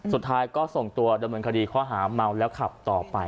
สุดท้ายก็ส่งตัวดำเนินคดีข้อหาเมาแล้วขับต่อไป